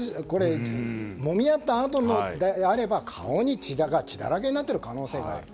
もみ合ったあとであれば顔が血だらけになっている可能性がある。